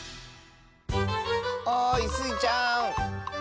おいスイちゃん。